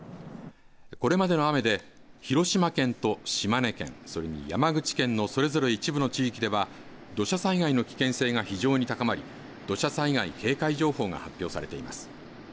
これまでの雨で広島県と島根県、それに山口県のそれぞれ一部の地域では土砂災害の危険性が非常に高まり土砂災害警戒情報が発表されています。